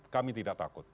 kami tidak takut